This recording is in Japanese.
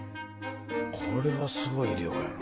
これはすごい量やわ。